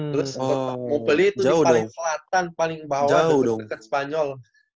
terus montpellier itu di paling selatan paling bawah deket deket spanyol